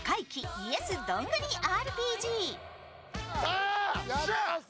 ＹｅｓどんぐりＲＰＧ。